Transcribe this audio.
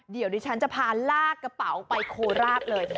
เดี๋ยวดิฉันจะพาลากกระเป๋าไปโคราชเลย